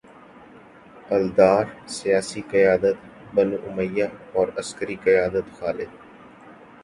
الدار، سیاسی قیادت بنو امیہ اور عسکری قیادت خالد